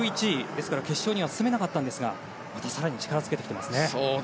ですから決勝には進めなかったんですがまた更に力をつけてきていますね。